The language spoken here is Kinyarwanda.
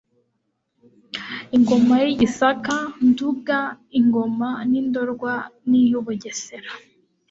Ingoma y'I Gisaka, Nduga, Ingoma y'i Ndorwa n'iy'u Bugesera.